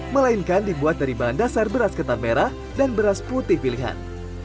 melainkan dibuat dari bahan dasar beras ketan merah dan beras putih pilihan